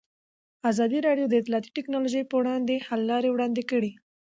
ازادي راډیو د اطلاعاتی تکنالوژي پر وړاندې د حل لارې وړاندې کړي.